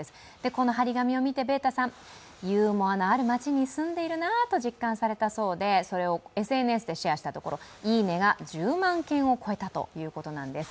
この張り紙を見てベータさんユーモアのある街に住んでいるなと実感したそうで、ＳＮＳに投稿したところ「いいね」が１０万件を超えたということなんです。